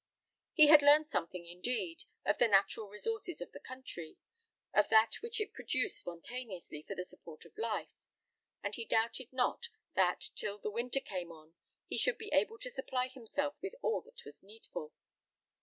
He had learned something, indeed, of the natural resources of the country, of that which it produced spontaneously for the support of life, and he doubted not that, till the winter came on, he should be able to supply himself with all that was needful.